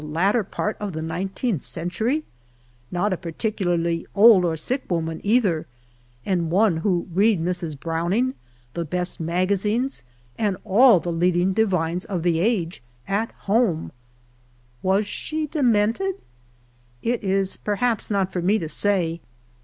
latter part of the nineteenth century — not a particularly old or sick woman either, and one who read Mrs. Browning, the best mairazines, and all the leaduig divines of the age, at home I Was she demented ? It is perhaps not for me to say.